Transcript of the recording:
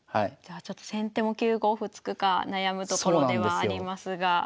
じゃあちょっと先手も９五歩突くか悩むところではありますが。